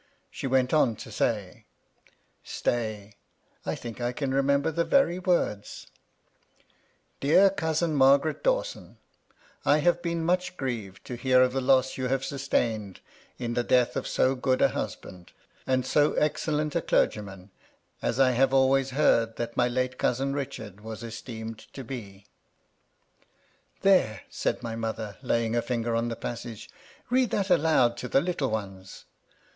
She went on to say, — stay, I think I can re member the very words :* Dear Cousm Margaret Dawson, — I have been ^ much grieved to hear of the loss you have sustained in * the death of so good a husband, and so excellent a * clergyman as I have always heard that my late cousin * Richard was esteemed to be.' " There !" said my mother, laying her finger on the passage, " read that aloud to the little ones.